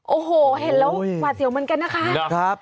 โอ้โหเห็นแล้วหวาดเสียวเหมือนกันนะคะ